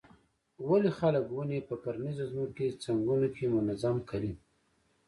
ولې خلک ونې په کرنیزو ځمکو څنګونو کې منظم کري.